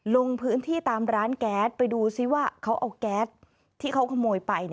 ลงพื้นที่ตามร้านแก๊สไปดูซิว่าเขาเอาแก๊สที่เขาขโมยไป